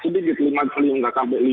sedikit lima kali tidak sampai lima